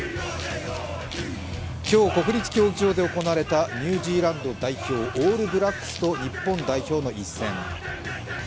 今日、国立競技場で行われたニュージーランド代表オールブラックスと日本代表の一戦。